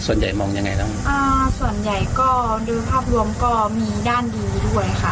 ส่วนใหญ่มองยังไงบ้างอ่าส่วนใหญ่ก็ดูภาพรวมก็มีด้านดูด้วยค่ะ